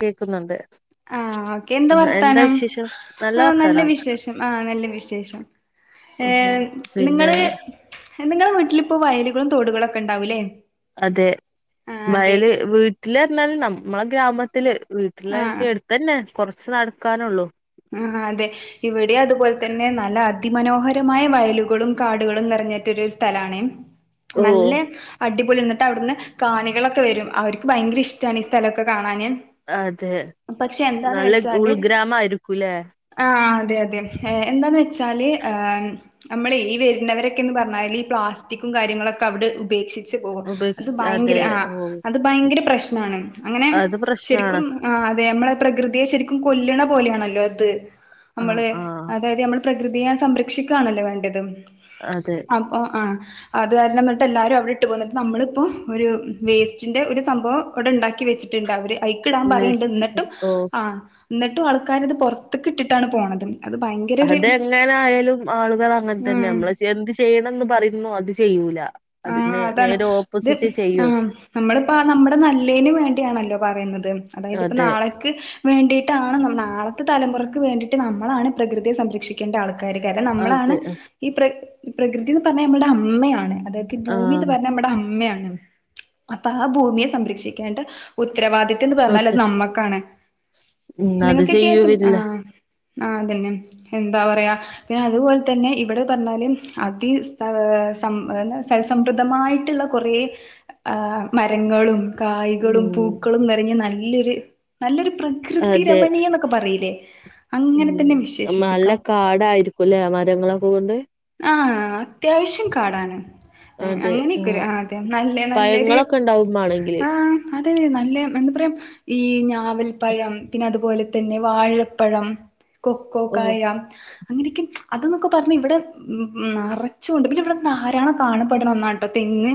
കേൾക്കുന്നുണ്ട് ആഹ് ക്കെ എന്താ വർത്താനം ആഹ് നല്ല വിശേഷം ആഹ് നല്ല വിശേഷം ഉം. ഏഹ് പിന്നെ നിങ്ങള് നിങ്ങളെ വീട്ട്ലിപ്പൊ വയലുകളും തോടുകളൊക്കണ്ടാവുലേ അതെ വയല് വീട്ടിലർഞ്ഞാൽ നമ്മളെ ഗ്രാമത്തില് ആഹ് വീട്ട്ലായ്ട്ട് എട്ത്തന്നെ കൊറ്ച്ച് നട്ക്കാനൊള്ളു ആഹ് അതെ ഇവ്ടിം അത്പോൽത്തന്നെ നല്ല അതിമനോഹരമായ വയലുകളും കാട്കളും നെറ്ഞ്ഞറ്റൊരു സ്ഥലാണ് ഓ നല്ലെ അടിപൊളി ഇന്നട്ടവ്ട്ന്ന് കാണികളൊക്കെ വരും അവർക്ക് ഭയങ്കരഷ്ടാണ് ഇസ്ഥലൊക്കെ കാണാന് അതെ പക്ഷെ എന്താന്ന് നല്ല വെച്ചാല് ഉൾഗ്രാമായ്ര്ക്കുലേ ആഹ് അതെ അതെ ഏഹ് എന്താന്ന് വെച്ചാല് ഏഹ് അമ്മള് ഈ വര്ണെവെരെക്കേന്ന് പറ്ഞ്ഞാല് ഈ പ്ലാസ്റ്റിക്കും കാര്യങ്ങളൊക്ക അവടെ ഉപേക്ഷി ച്ച് പോകും അത് ഉപേക്ഷിച്ച് അതെ ഭയങ്കര ഓ ആഹ് ത് ഭയങ്കര പ്രശ്നാണ് അങ്ങനെ അത് പ്രശ്നാണ് ശെരിക്കും ആഹ് അതെ അമ്മളെ പ്രകൃതിയെ ശരിക്കും കൊല്ല്ണ പോലെയാണല്ലൊ അത് ആ നമ്മള് ആ അതായത് നമ്മള് പ്രകൃതിയെ സംരക്ഷിക്കാകണല്ലൊ വേണ്ട്യത്, അതെ, അപൊ ആഹ്, അത് കാര്ണം ന്നിട്ട് എല്ലാരും അവിടെ ഇട്ട് പോന്നിട്ട് നമ്മള്പ്പൊ ഒരു വേസ്റ്റിന്റെ ഒരു സംഭവം അവടെ ഇണ്ടാക്കി വെച്ച് ട്ട്ണ്ട് അവര്, അയ്ക്ക്ടാൻ പറയ്ൺണ്ട് നിശ്ച- ഇന്നിട്ടും ഓ ആഹ് ഇന്ന്ട്ടും ആൾക്കാരത്, പൊറത്ത്ക്കിട്ടിട്ടാണ് പോണത്, അത് ഭയങ്കര ഒരു അതെങ്ങന ആയാലും ആളുകള് അങ്ങൻ തന്നെ ഉം നമ്മള് എന്ത് ചെയ്യണംന്ന് പറയുന്നു അത് ചെയ്യൂല, ആഹ്, അതിന് അതാണ് നേരെ ഇത് ഓപ്പോസിറ്റ് ചെയ്യൂ ആഹ്, നമ്മളിപ്പ നമ്മുടെ നല്ലേന് വേണ്ടിയാണല്ലൊ പറീണത്, അതായത് ഇപ്പ അതെ നാളെ, വേണ്ടിട്ടാണ് ന നാളത്തെ തലമുറയ്ക്ക് വേണ്ടിട്ട് നമ്മളാണ് പ്രകൃതിയെ സംരക്ഷിക്കേണ്ട ആൾക്ക കാരണം നമ്മളാണ് അതെ ഈ പ്ര പ്രകൃതീന്ന് പർഞ്ഞ ഞമ്മൾടെ അമ്മയാണ്, അതായത്, ഈ ആ ഭൂമീന്ന് പർഞ്ഞ നമ്മടെ അമ്മയാണ് അപ്പൊ ആഹ് ഭൂമിയെ സംരക്ഷിക്കേണ്ട ഉത്തരവാദിത്തംന്ന് പറ്ഞ്ഞാ ഒത്ത് അത് നമ്മക്കാണ് ഉം അത് നിങ്ങക്ക് കേക്കും ചെയ്യൂല്ല ആഹ്, ആഹ് അതന്നെ, എന്താ പറയ പിന്നെ അത്പോലെ തന്നെ ഇവടെ പറ്ഞ്ഞാല് അതി ഏഹ് സം എന്ത സൽസമൃദ്ധമായിട്ട്ള്ള കൊറേ മരങ്ങളും, കായ്കളും ഉം പൂക്കളും നിറഞ്ഞ നല്ലൊരു നല്ലൊരു പ്രകൃതി അതെ രമണീയ പറീലെ, ഉം, നല്ല കാടായിരിക്കുംലെ മരങ്ങളൊക്ക കൊണ്ട്, ആഹ് അത്യാവശ്യം കാടാണ്, അങ്ങനെയൊക്കൊരു ആഹ് അതെ നല്ല നല്ലൊര് പഴങ്ങളൊക്കെ ഉണ്ടാവും മാണെങ്കില് ആഹ്, അതെ നല്ല എന്താ പറയ ഈ ഞാവൽ പഴം, പിന്നെ അതുപോലെ, തന്നെ വാഴപ്പഴം, കൊക്കോ ഓ കായ അങ്ങനെയൊക്കെ അത്ന്നൊക്ക പറ്ഞ്ഞ ഇവടെ, ഉം നറച്ചുണ്ട്, പിന്നെ ഇവടെ ധാരാളം കാണപ്പെട്ണ ഒന്നാൺട്ടൊ തെങ്ങ്,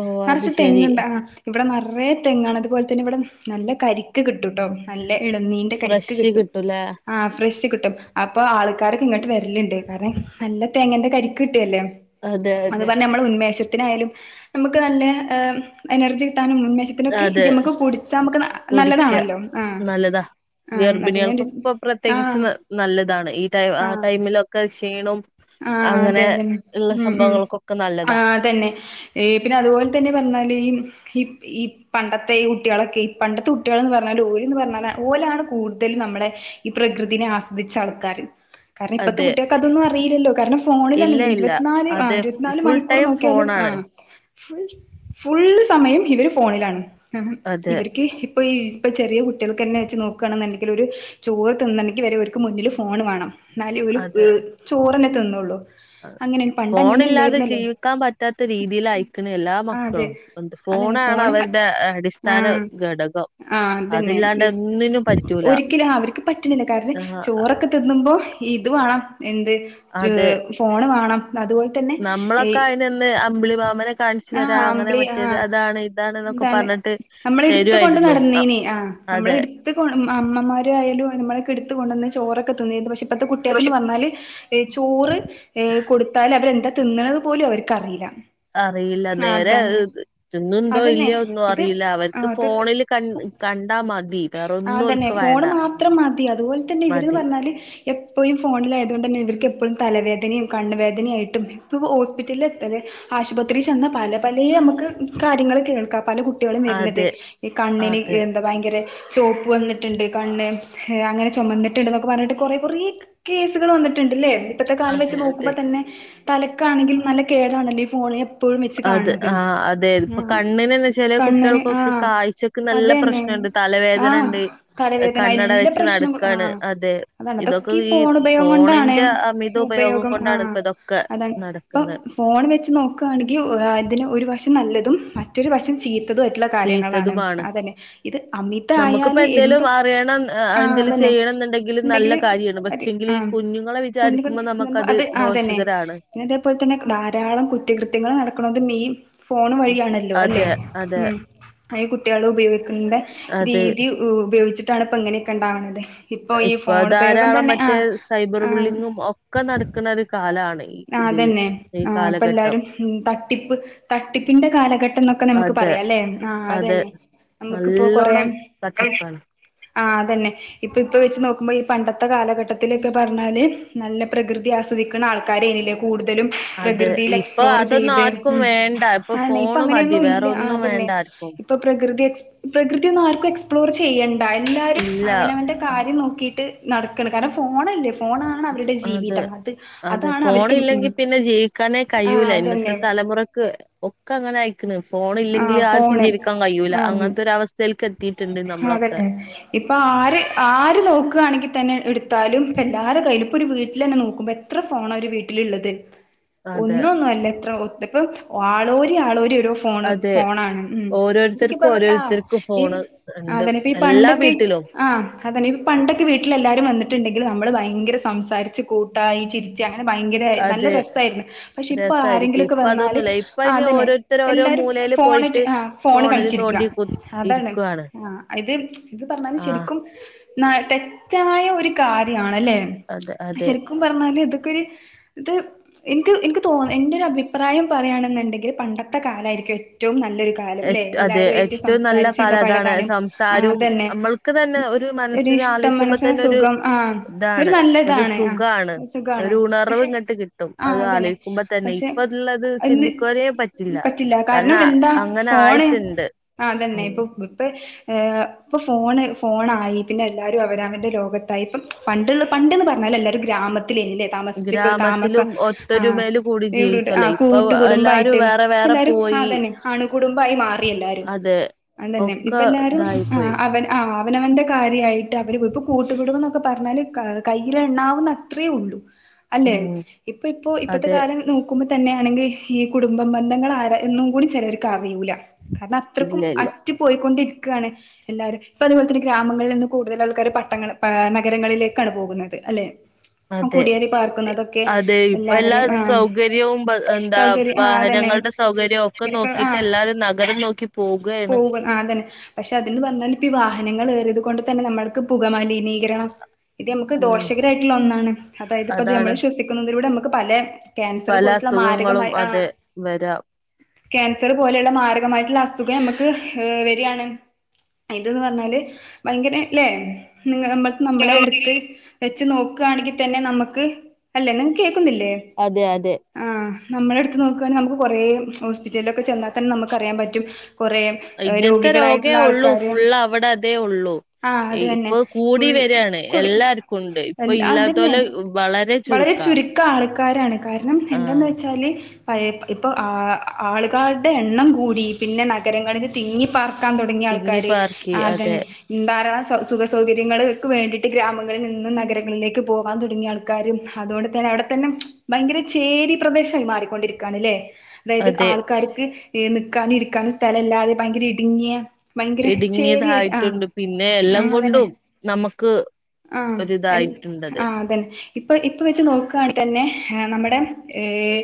ഓ അത് നെറച്ച് ശരി തെങ്ങ്ണ്ട ആഹ് ഇവിടെ നെറയെ തെങ്ങാണ് അതുപോല തന്നെ ഇവടെ നല്ല കരിക്ക് കിട്ടുട്ടൊ, നല്ല എളനീന്റെ കരിക്ക് ഫ്രഷ് കിട്ടും, കിട്ടൂലേ ആഹ് ഫ്രഷ് കിട്ടും അപ്പൊ ആൾക്കാരൊക്ക ഇങ്ങ്ട്ട് വര്ലണ്ട് കാര്ണം, നല്ല തേങ്ങന്റെ കരിക്ക് കിട്ടല്ലെ അതെ അത് അതെ പറഞ്ഞ നമ്മളെ ഉന്മേഷത്തിനായാലും, നമ്മക്ക് നല്ല എനർജി കിട്ടാനും ഉന്മേ- ഇതിനൊക്കെ ഇത് അതെ ഞമ്മക്ക് കുടിച്ചാ നമുക്കു നല്ലതാണല്ലോ ആ ആ അതിന് വേണ്ടി ഗർഭിണികൾക്കൊപ്പൊ ആ പ്രത്യേകിച്ച് നല്ലതാണ് ഈ ടൈം ആ ടൈമിലൊക്കെ ക്ഷീണവും ആ അതെ അതെന്നെ ഉം ഉം സംഭവങ്ങൾക്കൊക്കെ ആ നല്ലതാ അതന്നെ ഏ പിന്നെ അതുപോലെതന്നെ പറഞ്ഞാല് ഈ ഈ ഈ പണ്ടത്തെ ഈ കുട്ടികളൊക്കെ ഈ പണ്ടത്തെ കുട്ടികളെന്നുപറഞ്ഞാല് ഓലിന്നുപറഞ്ഞാല് ഓലാണ് കൂടുതലും നമ്മളെ ഈ പ്രകൃതീനെ ആസ്വദിച്ച ആൾക്കാര് കാരണം ഇപ്പഴത്തെ അതെ കുട്ടികൾക്ക് അതൊന്നും അറി യില്ലല്ലോ കാരണം ഇല്ല ഫോണിലാണല്ലേ ഇല്ല ഇരുപത്തിനാല് ആ അതെ ഫുൾ ഇരുപത്തിനാലുമണിക്കൂറു ടൈം നോക്കിയാലും ആ ഫോണാണ് ഫുൾ ഫുള്ളുസമയം ഇവര് ഫോണിലാണ് അതെ ഇവർക്ക് ഇപ്പൊയീ ഇപ്പൊ ചെറിയ കുട്ടികൾക്കുതന്നെ വെച്ചു നോക്കുകയാണെന്നുണ്ടെങ്കില് ഒരു ചോറ് തിന്നണെങ്കിവരെ ഇവർക്ക് മുന്നില് ഫോണുവേണം എന്നാലേ ഇവലു അതെ ചോറന്നെ തിന്നൊള്ളൂ ഫോണില്ലാതെ ജീവിക്കാൻ പറ്റാത്തരീതിയിൽ ആയിക്കണു ആ അതെ എല്ലാമക്കളും അതന്നെ ഫോണാണ് ഫോണ് അവരുടെ അടിസ്ഥാന ഘടകം ആ അതില്ലാണ്ട് അതന്നെ ഒന്നിനും പറ്റൂല ഒരിക്കലും അവർക്കുപറ്റണില്ല കാരണം ആഹ് ചോറൊക്കെ തിന്നുമ്പോ ഇതുവേണം എന്ത് ജ് അതെ ഫോണുവേണം അതുപോലെതന്നെ ഏ നമ്മളൊക്കെ അയിനന്ന് അമ്പിളിമാമനെ കാണിച്ചു ആ തരാ അങ്ങനെ അമ്പിളി ആ മറ്റേത് അതാണ് ഇതാണ് എന്നൊക്കെ എന്താണ് പറഞ്ഞിട്ട് നമ്മള് തരുവായിരുന്നു എടുത്തുകൊണ്ടുനടന്നേനി ആ അതെ ത്ത് അമ്മമാരായാലും നമ്മളെക്കെടുത്തു കൊണ്ടന്ന് ചോറൊക്കെ തന്നീന് പക്ഷേ ഇപ്പത്തെ കുട്ടികക്കെന്ന് പറഞ്ഞാല് എ ചോറ് ഏ കൊടുത്താല് അവരെന്താ തിന്നണത് പോലും അവർക്കറിയില്ല അറിയില്ല ആ നേരെ അതാ തിന്നുണ്ടോ അതന്നെ ഇല്ലയോ ഒന്നും ഇത് അറിയില്ല അവർക്ക് അത് ത് ഫോണില് ക കണ്ടാ മതി ആ വേറൊന്നും അതന്നെ ഓൽക്ക് വേണ്ട ഫോണുമാത്രം മതി അതുപോലെതന്നെ മതി ഇവരെന്നുപറഞ്ഞാല് എപ്പഴും ഫോണിലാ അതുകൊണ്ടുതന്നെ ഇവർക്കെപ്പഴും തലവേദനയും കണ്ണുവേദനയായിട്ടും ഇപ്പിപോ ഹോസ്പിറ്റലില് എത്ര ആശുപത്രി ചെന്നാ പല പലേയും നമുക്ക് കാര്യങ്ങള് കേൾക്കാം പല കുട്ട് കുട്ടികളും വരണത് അതെ ഈ കണ്ണിന് അതെ എന്താ ഭയങ്കരചോപ്പ് വന്നിട്ടുണ്ട് കണ്ണ് അങ്ങനെ ചൊമന്നിട്ടൊണ്ടൊന്നൊക്കെ പറഞ്ഞിട്ട് കൊറെ കൊറെ കേസുകൾ വന്നിട്ടുണ്ട്ല്ലേ ഇപ്പോഴത്തെ കാലം വെച്ച് അതെ അതെ നോക്കുമ്പോ തന്നെ തലക്കാണെങ്കിലും നല്ല കേടാണല്ലോ ഈ ഫോണ് എപ്പോഴും വെച്ച് അത് കാണത് ആഹ് അതെ ആ ഇപ്പൊ കണ്ണിനെന്നെ ചെലെ കണ്ണിന് ആ കുട്ടികൾക്കൊക്കെ കാഴ്ചക്ക് നല്ല അതുതന്നെ പ്രശ്നണ്ട് ആ തലവേദനണ്ട് തലവേദന കണ്ണട എല്ലാ വെച്ച് പ്രശ്നങ്ങളും ആ നടക്കാണ് അതെ അതാണ് ഇതൊക്കെ അതൊക്കെയീ ഈ ഫോണുഉപ‌ ഉപയോഗം കൊണ്ടാണ് ഫോണിന്റെ അമിത ഉപയോഗം ആ കൊണ്ടാണ് ഇപ്പ ഇതൊക്കെ അതാ ഇപ്പം നടക്കുന്നെ ഫോൺ വെച്ചുനോക്കുകയാണെങ്കി അതിന് ഒരുവശം നല്ലതും മറ്റൊരുവശം ചീ ത്തതുമായിട്ടുള്ള കാര്യങ്ങളാണ് ചീത്തതുമാണ് അതന്നെ ഇത് നമുക്കിപ്പോ അമിതായാല് എന്തേലും എന്തും അറിയണം ആ എന്തേലും അതന്നെ ചെയ്യണം എന്നുണ്ടെങ്കിൽ നല്ല ഉണ്ടെങ്കില് കാര്യാണ് അത് പക്ഷെങ്കിൽ ആ ഈ കുഞ്ഞുങ്ങളെ വിചാരിക്കുമ്പോ പുല്ല്കണ് നമുക്കത് അത് അതന്നെ ദോഷകരാണ് പിന്നെ അതെപോലെ തന്നെ ധാരാളം കുറ്റകൃത്യങ്ങള് നടക്കണകൊണ്ട് മെയിൻ ഫോണുവഴിയാണല്ലോ അല്ലെ അതെ അതെ ഉം അയ് ഈ കുട്ടികള് ഉപയോഗിക്കണ്ട അതെ രീതി ഉപയോഗിച്ചിട്ടാണ് ഇപ്പ ഇങ്ങനെയൊക്കെ ഒണ്ടാവുന്നത് ഇപ്പൊ ഈ ഫോണുപയോഗം ധാരാളം തന്നെ ആ മറ്റേ സൈബർ ബുള്ളിങ്ങും ഒക്കെ നടക്കണ ഒരു കാലാണ് ഈ ആ ഇതില് അതന്നെ ഈ ആ ഇപ്പ കാലഘട്ടം എല്ലാരും ഉം തട്ടിപ്പ് തട്ടിപ്പിന്റെ കാലഘട്ടന്നൊക്കെ ഒക്കെ അതെ നമുക്കുപറയാല്ലേ ആ അതെ അതുതന്നെ നമുക്കിപ്പോ കൊറേ നല്ലോണം തട്ടിപ്പാണ് ആ അതന്നെ ഇപ്പൊ ഇപ്പൊ വെച്ചു നോക്കുമ്പോ ഈ പണ്ടത്തെ കാലഘട്ടത്തിലൊക്കെ പറഞ്ഞാല് നല്ല പ്രകൃതി ആസ്വദിക്കണ ആൾക്കാരില്ലേ കൂടുതലും അതെ പ്രകൃതിയില് ഇപ്പൊ അതൊന്നും എക്സ്പ്ലോറുചെയ്ത് ആർക്കും ഉം വേണ്ട അയന്നെ ഇപ്പ അങ്ങനെയൊന്നും ഇല്ല ആ അതന്നെ റ്റാർക്കും ഇപ്പോ പ്രകൃതി എക് പ്രകൃതി ഒന്നും ആർക്കും എക്സ്പ്ലോർ ചെയ്യേണ്ട എല്ലാരും ഇല്ല അവനവൻ്റെ കാര്യം നോക്കിട്ട് നടക്കണം കാരണം ഫോണല്ലേ ഫോണ് ആണ് അവരുടെ അതെ ജീവിതം അത് അതെ അതാണ് ഫോണ് അവർക്ക് ഉം ഇല്ലെങ്കിൽ പിന്നെ ജീവിക്കാനേ ആഹ് കഴിയൂല ഇന്നത്തെ അതന്നെ തലമുറക്ക് ഒക്കെ അങ്ങനെ ആയിക്കണ് ഫോൺ ഇല്ലെങ്കില് ആഹ് ആർക്കും ഫോണ് ജീവിക്കാൻ കഴിയൂല്ല ആഹ് അങ്ങനത്തെ ഒരു അവസ്ഥയിലേക്ക് എത്തിയിട്ടുണ്ട് നമ്മളൊക്കെ ഇപ്പം ആര് ആര് നോക്കുകയാണെങ്കിൽ തന്നെ എടുത്താലും എല്ലാരെ കയ്യിലും ഇപ്പം ഒരു വീട്ടിൽ തന്നെ നോക്കുമ്പോ എ എത്ര ഫോണാ ഒരു വീട്ടില് ഇള്ളത് അതെ ഒന്നും ഒന്നും അല്ല എത്ര ഇപ്പം ആളോരി ആളോരി ഓരോ ഫോണ് അതെ ഫോണണ് ഉം ഇതൊക്കെ ഓരോരുത്തർക്കും പറഞ്ഞ ആ ഓരോരുത്തർക്കും ഈ ഫോണ് ഉണ്ട് അതന്നെ ഇപ്പൊ ഈ എല്ലാ പണ്ടൊക്കെ വീട്ടിലും ആഹ് അതന്നെ ഇത് പണ്ടൊക്കെ വീട്ടിൽെ എല്ലാരും വന്നിട്ടുണ്ടെങ്കിൽ നമ്മള് ഭയങ്കര സംസാരിച്ച് കൂട്ട കുട്ടായി ചിരിച്ച അങ്ങനെ ഭയങ്കര നല്ല അതെ രസമായിരുന്നു പക്ഷെ ഇപ്പൊ ആരെങ്കിലും ഒക്കെ വന്നാല് അതന്നെ ഒരോര്ത്തര് ഓരോ മൂലേ ഫോൺ ആയിറ്റ് ആ ഫോണ് കളിച്ചിരിക്കുക അതാണ് ഇരിക്കുവാണ് ആഹ് ഇത് ഇത് പറഞ്ഞാല് ആഹ് ശരിക്കും ന തെറ്റായ ഒരു കാര്യണ് അല്ലേ അതെ അതെ ക്കും പറഞ്ഞാല് ഇതൊക്കെൊരു ഇത് എനിക്ക് എനിക്ക് തോന്ന എന്റെ ഒരു അഭിപ്രായം പറയുകയാണെന്നുണ്ടെങ്കിൽ പണ്ടത്തെ കാലായിരിക്കും ഏറ്റവും നല്ലൊരു കാലം ഇല്ലേ അതെ എല്ലാരും ആയ്റ്റ് ഏറ്റവും നല്ല സംസാരിച്ച കാലം അതാണ് ഇടപഴകാനും ആ സംസാരവും അതന്നെ നമ്മൾക്ക് തന്നെ ഒരു മനസ്സിന് ഇഷ്ടം ആലോയിക്കുമ്പോ മനസ്സിന് തന്നെ ഒരു സുഖം ആഹ് ഒരു ഇതാണ് ഒരു നല്ലതാണ് ആ സുഖാണ് സുഖമാണ് ഒരു ഉണർവ് പക്ഷെ ഇങ്ങട്ട് കിട്ടും ആ അത് അതന്നെ ആലോയിക്കുമ്പോ തന്നെ പക്ഷെ ഇപ്പള്ളത് അതിന്ന് ചിന്തിക്കുവാനേ പറ്റില്ല കാരണം എ അങ്ങനെ ഫോണ് ആയിട്ടുണ്ട് ആ അതന്നെ ഉം ഇപ്പൊ ഇപ്പെ ഏഹ് ഇപ്പോ ഫോണ് ഫോണായി പിന്നെ എല്ലാവരും അവനവൻ്റെ ലോകത്തായി ഇപ്പം പണ്ടുള്ള പണ്ടെന്ന് പറഞ്ഞാൽ എല്ലരും ഗ്രാമത്തിലെയ്നി. ലെ താമസിച്ച താമസം ഗ്രാമത്തിലും ആ ഒത്തൊരുമേല് കൂടി ടെആ ജീവിച്ചല്ലേ ഇപ്പൊ കൂട്ടുക്കുടുബം എല്ലാരും ആയിട്ട് വേറെ വേറെ എല്ലാരും പോയി അതന്നെ അണ് കുടുംബായി മാറി എല്ലാരും അതെ അതന്നെ ഒക്കെ ഇപ്പെല്ലാരും ഇതായി പോയി ആഹ് അവന്നെ ആഹ് അവനവന്റെ കാര്യായിട്ട് അവര് പോയി ഇപ്പൊ കൂട്ടുകുടുബം എന്നൊക്കെ പർഞ്ഞാല് കയ്യിലെണ്ണാവുന്ന അത്രേ ഒള്ളൂ അല്ലെ ഉം ഇപ്പോ ഇപ്പോ ഇപ്പത്തെ അതെ കാലം നോക്കുമ്പോ തന്നെ ആണെങ്കിൽ ഈ കുടുംബ ബന്ധങ്ങൾ ആരാ എന്നും കൂടി ചെലവർക്ക് അറിയൂല കാരണം അത്രക്കും ഇല്ല ഇല്ല അറ്റു പോയിക്കൊണ്ടിരിക്കാണ്. എല്ലാരും ഇപ്പ അതുപോലെ തന്നെ ഗ്രാമങ്ങളിൽ നിന്നും കൂടുതൽ ആൾക്കാര് പട്ടങ്ങ നഗരങ്ങളിലേക്കാണ് പോകുന്നത് അല്ലെ അതെ കുടിയേറി പാർക്കുന്നതൊക്കെ അതെ ഇപ്പ എല്ലാ എല്ലാവരും ആ സൗകര്യവും എന്താ സൗകര്യ ആ വാഹനം അതന്നെ സൗകര്യം ഒക്കെ ഇവരൊക്കെ ആ നോക്കീട്ട് എല്ലാരും നഗരം നോക്കി പോകേണ്. ആതന്നെ പക്ഷെ അതേന്ന് പറഞ്ഞാ ഇപ്പ ഈ വാഹനങ്ങളേ ഏറ്യേത് കൊണ്ട് തന്നെ നമ്മൾക്ക് പുക മലിനീ ഗ്രഹം ഇത് ഞമ്മക്ക് ഉം ദോഷകരായ്ട്ട്ള്ള ഒന്നാണ് അതായത് ഇപ്പത് അതാണ് ഞമ്മള് ശ്വസിക്കുന്നതിലൂടെ ഞമ്മക്ക് പലേ പല അസുഖങ്ങളും അതേ വരാം ക്യാൻസറ് പോലെള്ള മരഗമായിട്ട്ള്ള അസുഖം ഞമ്മക്ക് ഏഹ് വരാണ്. ആഹ് ഇത്ന്ന് പറഞ്ഞാല് ഭയങ്കര ല്ലേ നിങ്ങ നമ്മളെ നമ്മളെ എട്ത്ത് വെച്ച് നോക്കാണെങ്കി തന്നെ നമ്മക്ക് അല്ലേ നിങ്ങക്ക് കേൾക്കുന്നില്ലേ അതെ അതെ ആഹ് നമ്മളട്ത്ത് നോക്കാണെങ്കിൽ നമ്മക്ക് കൊറേ ഹോസ്പിറ്റലിലൊക്കെ ചെന്നാ തന്നെ നമ്മക്ക് അറിയാൻ പറ്റും കൊറേ ഇങ്ങൻത്തെ രോഗേ രോഗികളായിട്ടുള്ള ഒള്ളൂ ആൾക്കാര് ഫുൾ അവടെ അതേ ഒള്ളൂ ആഹ് അത് തന്നെ ഇപ്പൊ ഫുൾ കൂടി വരാണ്. കുടി എല്ലാര്ക്കുണ്ട് എൽ ഇപ്പൊ ഇല്ലാത്തോല് വളരെ ചുരുക്കാ ഒക്കെ ആൾക്കാരാണ് കാരണം എന്താെന്ന് ആഹ് വെച്ചാല് പഴേ ഇപ്പം ആ ആളുകാരുടെ എണ്ണം കൂടി പിന്നെ നഗരങ്ങളില് തിങ്ങി പ്പാർ ക്കാൻ തൊടങ്ങി ആൾക്കാര് തിങ്ങിപ്പാർക്കി ആഹ് അതെ അതന്നെ ഉം ധാരാളം സ സുഖ സൗകര്യങ്ങള് ക്ക് വേണ്ടീട്ട് ഗ്രാമങ്ങളിൽ നിന്നും നഗരങ്ങളിലേക്ക് പോകാൻ തുടങ്ങി ആൾ ക്കാര് അതോണ്ട് തന്നെ അവടെ ത്തന്നെ ഭയങ്കര ചേരി പ്രദേശായി മാറിക്കൊണ്ടിരിക്കാണ് ല്ലേ അതെ ആൾക്കാര്ക്ക്ഇഹ് ന്ന്ക്കാനും ഇരിക്കാനും സ്ഥലല്ലാതെ ഭയങ്കര ഇട്ങ്ങിയ ഭയങ്കര ചേര്യായി ആഹ് ഇടുങ്ങിയതായിട്ടുണ്ട് പിന്നെ എല്ലാം ആഹ് അതന്നെ കൊണ്ടും നമുക്ക് ആഹ് എൽ ഒരിതായിട്ടുണ്ടത്. ആഹ് അതന്നെ ഇപ്പ ഇപ്പ വെച്ച് നോക്കാണങ്കി തന്നെ നമ്മടെ ഏഹ്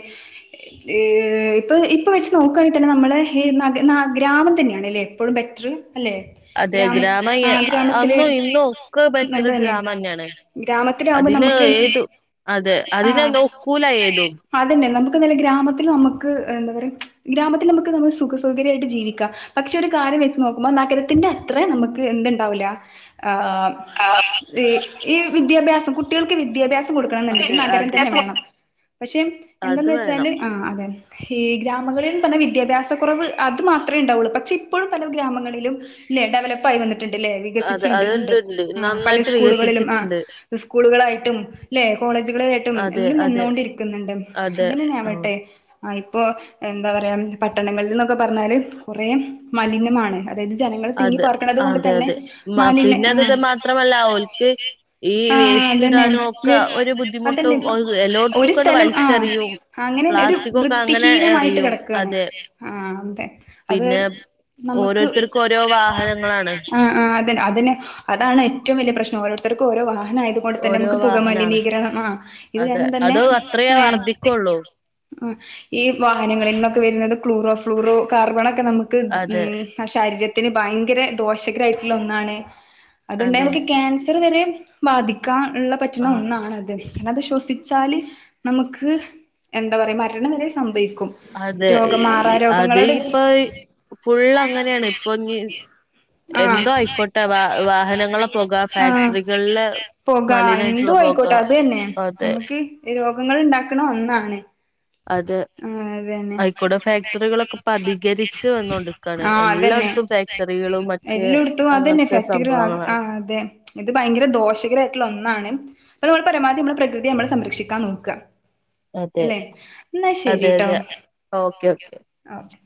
ഏഹ് ഇപ്പൊ ഇപ്പൊ വെച്ച് നോക്കാണെങ്കി തന്നെ നമ്മളെ നഗ ഗ്രാമം തന്നാണ് ല്ലേ എപ്പഴും ബെറ്റ്ർ അല്ലെ ഗ്രാമ ആഹ് ഗ്രാമത്തില് അന്നും ഇന്നും ഒക്കെ ബെറ്റർ നല്ല തന്നെണ് ഗ്രാമന്നെയാണ്. ഗ്രാമത്തിലാവുമ്പോ അതിന് നമ്മക്ക് ഏതു അതെ അതിനെ ആഹ് നോക്കൂല ഏതും. [unintelligible] അതന്നെ നമ്മക്ക് നല്ല ഗ്രാമത്തില് നമ്മക്ക് എന്താ പറയാ ഗ്രാമത്തിലമ്മക്ക് നല്ല സുഖ സൗകര്യായിട്ട് ജീവിക്കാ പക്ഷെ ഒരു കാര്യം വെച്ച് നോക്കുമ്പോ നഗരത്തിന്റെ അത്രേ നമ്മക്ക് എന്ത്ണ്ടാവൂല. ആഹ് ഈ വിദ്യാഭ്യാസം കുട്ടികൾക്ക് വിദ്യാഭ്യാസം സംകൊട്ക്കണം അതെ ന്ന്ണ്ടെങ്കി നഗരം അതെ തന്നെ വേണം പക്ഷെ അത് എന്തെന്ന് വേണം. വെച്ചാല് ആഹ് അതേനെ ഈ ഗ്രാമങ്ങള് പർഞ്ഞ വിദ്യാഭ്യാസക്കുറവ് അത് മാത്രേ ഇണ്ടാവുള്ളൂ പക്ഷെ ഇപ്പഴും പല ഗ്രാമങ്ങളിലും ല്ലെ ഡെവലപ്പായി വന്ന് ട്ട്ണ്ട് ലേ അത് വികസിച്ചിണ്ട് ഇണ്ട് അത്ണ്ട്ണ്ട് ആഹ് പല നന്നായിട്ട് സ്കൂളുകളിലും വികസിച്ചിട്ടുണ്ട് ആഹ് സ്കൂളുകളായിട്ടും ല്ലെ കോളേജുകളായിട്ടും അതെ എല്ലാം അതെ. വന്നോണ്ടിരിക്ക്ന്ന്ണ്ട് അതെ ആ അങ്ങനെന്നാവട്ടെ ആഹ് ഇപ്പോ എന്താ പറയാ പട്ടണങ്ങളിൽന്നൊക്കെ പറഞ്ഞാല് കൊറേ മലിനമാണ് അതായത് ജനങ്ങൾ തിങ്ങി അതെ പാർക്ക്ണത് കൊണ്ട് അതെ തന്നെ അതെ മ മാലിന [unintelligible] പിന്നെ അത് അഓണ്ട് മാത്രമല്ല ഓൽക്ക് ഈ ആഹ് വേസ്റ്റ് അതന്നെ ഇടാനും ഒക്കെ നെസ് ഒരു അതന്നെ ബുദ്ധിമുട്ടും ഒരു എല്ലോടത്തക്കണ്ട് സ്ഥലം ആഹ് വലിച്ചെറിയും അങ്ങനെ ന്നെ ഒരു പ്ലാസ്റ്റിക് വൃ ഒക്കെ അങ്ങനെ വൃത്തിഹീനമായിട്ട് എറിയും കെടക്കാണ് അതെ ആഹ് അതെ അത് നമക്ക് ക്കൊഓരോ വാഹനങ്ങളാണ് ആഹ് ആഹ് അതൻ അതന്നെ അതാണ് ഏറ്റവും വല്ല്യ പ്രശ്നം ഓരോര്ത്തർക്കു ഓരോ വാഹനായത് കൊണ്ട് തന്നെ ഓരോ നമക്ക് വാഹനാണ് പുകമലിനീകരണം ആഹ് ഇത് അതെ കാരണം തന്നെ അത് അത്രയേ ആഹ് വർധിക്കുള്ളൂ ആഹ് ഈ വാഹനങ്ങളിൽ നിന്നൊക്കെ വര്ന്നത് ക്ലൂറോ ഫ്ലൂറോ കാർബണക്കെ നമ്മ്ക്ക് അതെ ഉം ആഹ് ശരീരത്തിന് ഭയങ്കര ദോഷകരായിട്ട്ള്ള ഒന്നാണ് അത് ണ്ടായ അതെ നമക്ക് ക്യാൻസറ് വരെ ബാധിക്കാൻ ള്ള പറ്റ്ണ ആ ഒന്നാണത്. പിന്നെത് ശ്വസിച്ചാല് നമ്ക്ക്. എന്താ പറയ മരണം വരെ സംഭവിക്കും. അതെ രോഗ മാറാ അത് രോഗങ്ങളോട് ഇപ്പൊ അയ് ഫുൾ അങ്ങനെണ് ഇപ്പൊഞ് ആഹ് എന്തോ ആയിക്കോട്ടെ വാഹനങ്ങളെ പൊക പുക ആഹ് ഫാക്ടറികളിലെ [unintelligible] പോകാ എന്തു മലിനായിട്ടുള്ള പൊക ആയിക്കോട്ടെ അത് തന്നെ അതെ നമ്മുക്ക് രോഗങ്ങള് ഇണ്ടാക്കണ ഒന്നാണ്. അത് ആഹ് അതന്നെ ആയിക്കോട്ടെ അയ്ക്കൂടെ ഇപ്പ ഫാക്ടറികളൊക്കെ പ്പ അധികരിച്ച് അതികരിച്ച് വന്നോണ്ട്ക്കാണ് ആഹ് അതന്നെ എല്ലായിടത്തും ഫാക്ടറികളും മറ്റേ എല്ലോട്ത്തും അതന്നെ അങ്ങനത്തെ ഫാക്ടറി ആഹ് സംഭവങ്ങളാണ് ആഹ് അതെ. ഇത് ഭയങ്കര ദോഷകരായിട്ടുള്ള ഒന്നാണ് അപ്പ നമ്മള് പരമാവധി മ്മളെ പ്രകൃതിയെ നമ്മള് സംരക്ഷിക്കാൻ നോക്കാ. അതെ എല്ലെ ഇന്ന ശരി അതെ ട്ടോ അതെ ഓക്കെ ഒക്കെ ഓക്കെ ഓക്കേ.